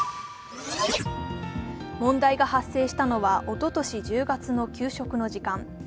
問題が発生したのはおととし１０月の給食の時間。